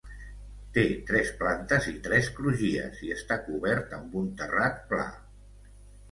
Té tres plantes i tres crugies i està cobert amb un terrat pla.